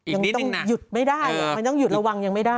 ยังต้องหยุดไม่ได้มันต้องหยุดระวังยังไม่ได้